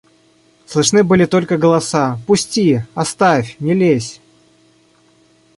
Слышны были только голоса: – Пусти! – Оставь! – Не лезь!